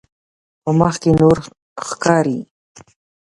په مخ کې نور ښکاري.